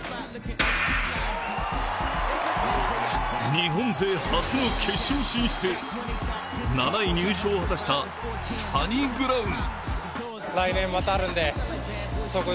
日本勢初の決勝進出、７位入賞を果たしたサニブラウン。